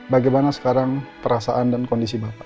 bagaimana sekarang perasaan dan kondisi bapak